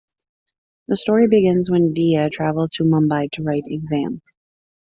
The story begins when Diya travels to Mumbai to write exams.